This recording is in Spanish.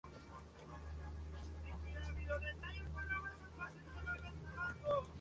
Esto fue conocido como la Segunda Guerra Italo-Etíope.